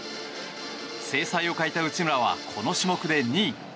精彩を欠いた内村はこの種目で２位。